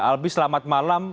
albi selamat malam